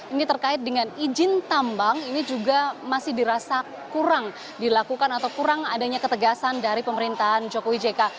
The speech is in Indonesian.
ini terkait dengan izin tambang ini juga masih dirasa kurang dilakukan atau kurang adanya ketegasan dari pemerintahan jokowi jk